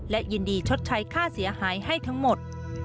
และยินดีชดใช้ค่าเสียหายให้ทั้งหมด